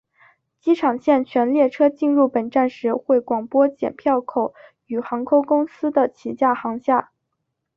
机场线全列车进入本站时会广播剪票口与航空公司的起降航厦。